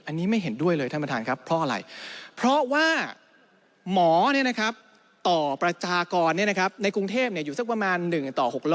อันนี้ไม่เห็นด้วยเลยท่านประธานครับเพราะอะไรเพราะว่าหมอต่อประชากรในกรุงเทพอยู่สักประมาณ๑ต่อ๖ล้อ